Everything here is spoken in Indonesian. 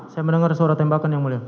saya mendengar suara tembakan yang mulia